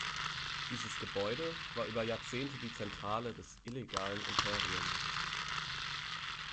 Dieses Gebäude war über Jahrzehnte die Zentrale des illegalen Imperiums.